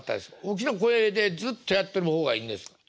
大きな声でずっとやってる方がいいんですか？